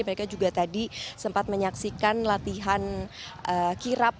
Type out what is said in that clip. mereka juga tadi sempat menyaksikan latihan kirap